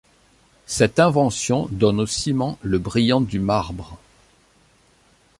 Cette invention donne au ciment le brillant du marbre.